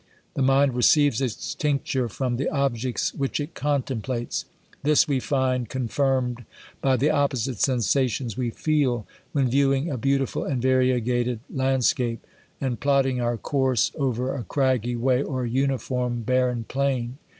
The mind receives its tincture from the objects which it contemplates. This we tind confirm ed by the opposite sensations we feel, when viewing a beautiful and variegated landscape, and plodding our course 296 THE COLUMBIAN ORATOR.: course over a craggy way, or uniform, barren plain.